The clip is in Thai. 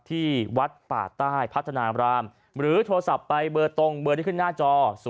ที่วัดป่าใต้พัฒนารามหรือโทรศัพท์ไปเบอร์ตรงเบอร์ที่ขึ้นหน้าจอ